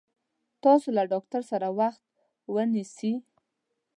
تاسو له ډاکټر سره وخت ونيسي